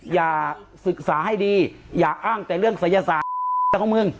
อย่าศึกษาให้ดีอย่าอ้างแต่เรื่องศัยศาสตร์